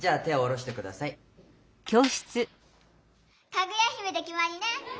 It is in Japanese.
「かぐや姫」できまりね！